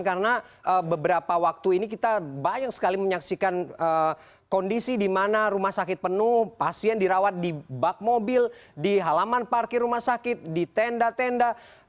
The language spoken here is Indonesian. karena beberapa waktu ini kita banyak sekali menyaksikan kondisi di mana rumah sakit penuh pasien dirawat di bak mobil di halaman parkir rumah sakit di tenda tenda